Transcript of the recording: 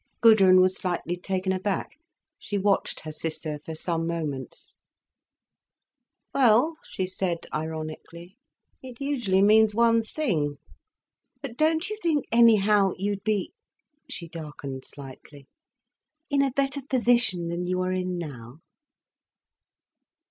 Gudrun was slightly taken aback. She watched her sister for some moments. "Well," she said, ironically, "it usually means one thing! But don't you think anyhow, you'd be—" she darkened slightly—"in a better position than you are in now."